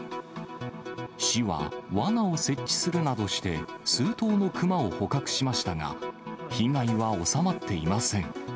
市は、わなを設置するなどして、数頭のクマを捕獲しましたが、被害は収まっていません。